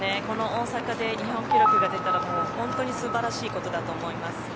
この大阪で日本記録が出たらもう本当に素晴らしいことだと思います。